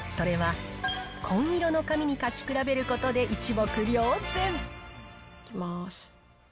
それは紺色の紙に書き比べることで、一目瞭然。いきます。